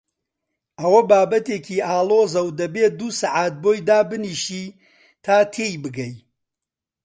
ئەوە بابەتێکی ئاڵۆزە و دەبێ دوو سەعات بۆی دابنیشی تا تێی بگەی.